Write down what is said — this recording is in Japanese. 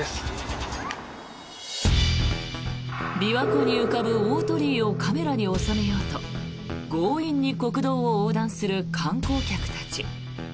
琵琶湖に浮かぶ大鳥居をカメラに収めようと強引に国道を横断する観光客たち。